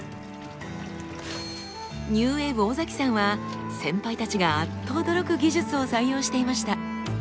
ニューウエーブ尾崎さんは先輩たちがアッと驚く技術を採用していました。